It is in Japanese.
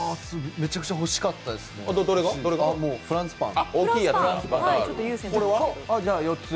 めちゃくちゃ欲しかったですね、フランスパン。